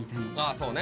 そうね。